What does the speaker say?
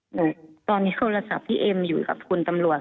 ตอนนี้โทรศัพท์พี่เอ็มอยู่กับคุณตำรวจ